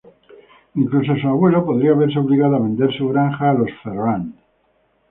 Incluso su abuelo podría verse obligado a vender su granja a los Ferrand.